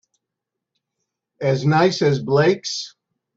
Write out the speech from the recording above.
As nice as Blake's?